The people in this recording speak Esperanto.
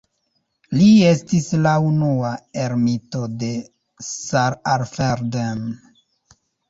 Li estis la unua ermito de Saalfelden.